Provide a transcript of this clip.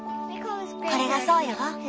これがそうよ。